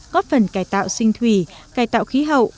góp phần cải tạo sinh thủy cài tạo khí hậu